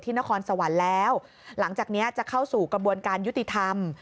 นครสวรรค์แล้วหลังจากนี้จะเข้าสู่กระบวนการยุติธรรม